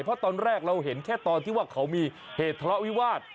เพราะตอนแรกเราเห็นแค่ตอนที่ว่าเขามีเหตุทะเลาะวิวาส